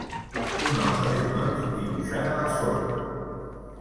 un home de genolls dibuixant a la sorra